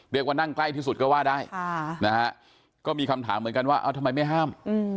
เรียกว่านั่งใกล้ที่สุดก็ว่าได้ก็มีคำถามเหมือนกันว่าทำไมไม่ห้าม